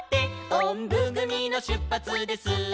「おんぶぐみのしゅっぱつです」